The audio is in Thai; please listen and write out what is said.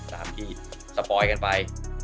ตามที่สปอยกันไป